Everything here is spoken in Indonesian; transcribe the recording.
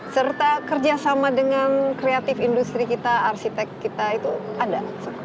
serta kerjasama dengan kreatif industri kita arsitek kita itu ada